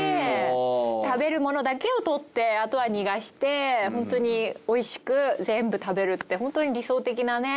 食べる物だけを捕ってあとは逃がしてホントにおいしく全部食べるってホントに理想的なね。